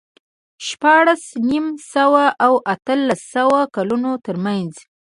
د شپاړس نیم سوه او اتلس سوه کلونو ترمنځ